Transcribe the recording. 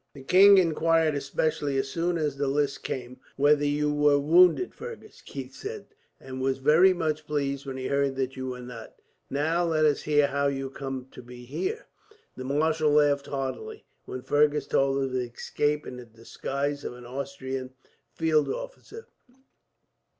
"The king inquired especially, as soon as the list came, whether you were wounded, Fergus," Keith said; "and was very much pleased when he heard that you were not. "Now, let us hear how you come to be here." The marshal laughed heartily, when Fergus told of his escape in the disguise of an Austrian field officer.